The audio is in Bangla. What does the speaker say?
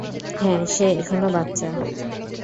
হ্যাঁ, সে এখনো বাচ্চা।